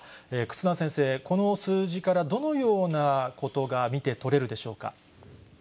忽那先生、この数字からどのようなことが見て取れるでしょうか。